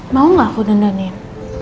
mau gak aku dendanin